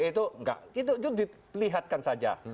itu tidak itu dilihatkan saja